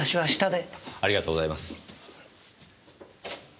ありがとうございます。